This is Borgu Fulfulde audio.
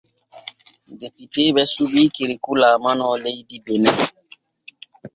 Depiteeɓe suɓi Kerekou laalano leydi Benin.